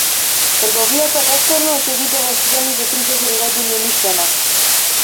Трговијата повторно ќе биде во следните три-четири години уништена.